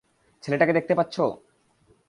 ছেলেটাকে দেখতে পাচ্ছ?